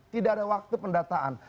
tidak ada waktu pendataan